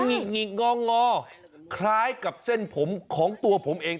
หิกงองอคล้ายกับเส้นผมของตัวผมเอง